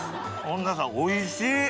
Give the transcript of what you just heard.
恩田さんおいしい！